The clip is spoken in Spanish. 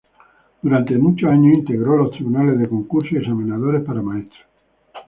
Durante durante muchos años integró los tribunales de concurso y examinadores para maestros.